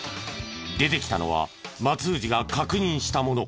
出てきたのは松藤が確認したもの。